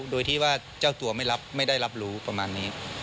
โดยที่ว่าเจ้าตัวไม่ได้รับรู้ประมาณนี้